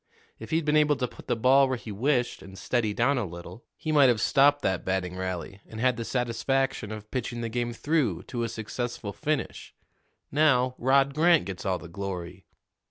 If he'd been able to put the ball where he wished and steady down a little, he might have stopped that batting rally and had the satisfaction of pitching the game through to a successful finish. Now, Rod Grant gets all the glory."